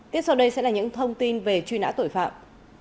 tiếp sau đây sẽ là những thông tin về truy nã tội phạm